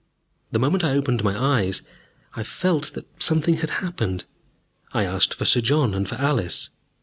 The moment I opened my eyes, I felt that something had happened. I asked for Sir John and for Alice.